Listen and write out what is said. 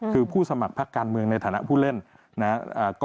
คือผู้สมัครพักการเมืองในฐานะผู้เล่นนะครับ